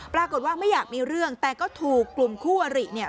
ปรากฏว่าไม่อยากมีเรื่องแต่ก็ถูกกลุ่มคู่อริเนี่ย